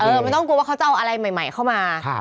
ไม่ต้องกลัวว่าเขาจะเอาอะไรใหม่เข้ามา